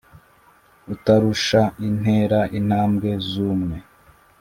Utarusha intera intambwe z' umwe